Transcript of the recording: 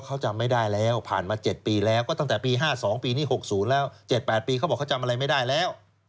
เขาบอกว่าเขาจำไม่ได้แล้ว